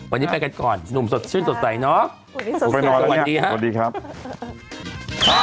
วันนี้ไปกันก่อนหนุ่มสดชื่นสดใสเนอะ